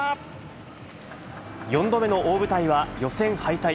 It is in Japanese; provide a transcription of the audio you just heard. ４度目の大舞台は予選敗退。